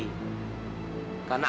karena aku udah berpikir